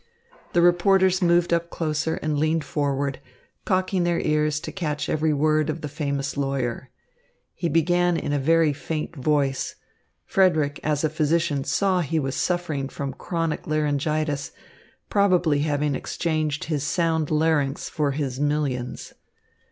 The reporters moved up closer and leaned forward, cocking their ears to catch every word of the famous lawyer. He began in a very faint voice. Frederick as a physician saw he was suffering from chronic laryngitis, probably having exchanged his sound larynx for his millions.